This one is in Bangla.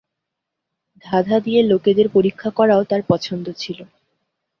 ধাঁধা দিয়ে লোকেদের পরীক্ষা করাও তাঁর পছন্দ ছিল।